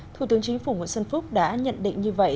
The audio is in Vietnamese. thủ tướng chính phủ nguyễn xuân phúc đã nhận định như vậy